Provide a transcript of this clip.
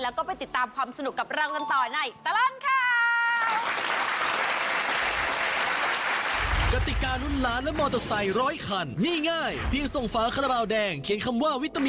แล้วก็ไปติดตามความสนุกกับเรากันต่อในตลอดข่าว